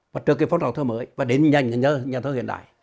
và trước khi phóng đọc thơ mới và đến nhà nhà thơ hiện đại